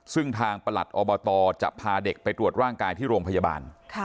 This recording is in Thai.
ซึ่งทางประหลัดอบตจะพาเด็กไปตรวจร่างกายที่โรงพยาบาล